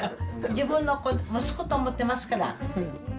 自分の息子と思ってますから。